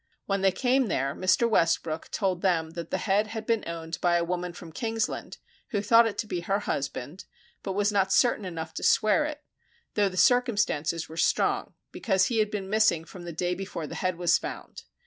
When they came there, Mr. Westbrook told them that the head had been owned by a woman from Kingsland, who thought it to be her husband, but was not certain enough to swear it, though the circumstances were strong, because he had been missing from the day before the head was found.